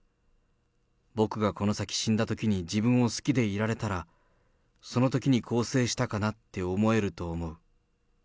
僕がこの先死んだときに、自分を好きでいられたら、そのときに更生したかなって思えると思う。